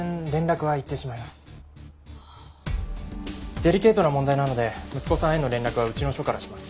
デリケートな問題なので息子さんへの連絡はうちの署からします。